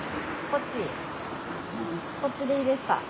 こっちでいいですか？